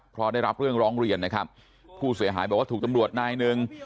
เพราะได้รับเรื่องร้องเรียนนะครับผู้เสียหายบอกว่าถูกตำรวจนายหนึ่ง